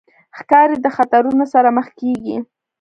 ښکاري د خطرونو سره مخ کېږي.